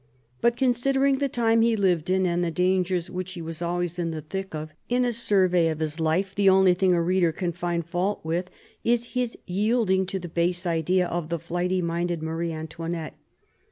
But, considering the time he lived in, and the dangers which he was always in the thick of, in a survey of his life the only thing a reader can find fault with is his yielding to the base idea of the flighty minded Marie Antoinette.